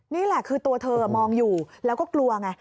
นี่แหละคือตัวเธอมองอยู่แล้วก็กลัวไง